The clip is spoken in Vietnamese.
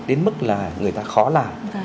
đến mức là người ta khó làm